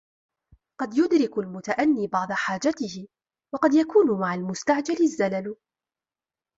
قد يدرك المتأني بعض حاجته وقد يكون مع المستعجل الزلل